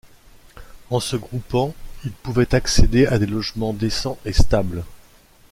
En se groupant, ils pouvaient accéder à des logements décents et stables.